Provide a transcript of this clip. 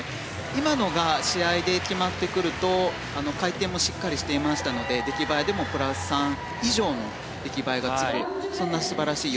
今のが試合で決まってくると回転もしっかりしていましたので出来栄えでもプラス３以上つく素晴らしい